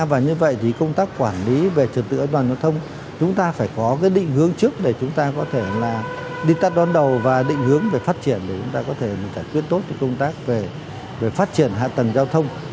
và như vậy thì công tác quản lý về trường tựa đoàn giao thông chúng ta phải có cái định hướng trước để chúng ta có thể là đi tắt đón đầu và định hướng về phát triển để chúng ta có thể giải quyết tốt công tác về phát triển hạ tầng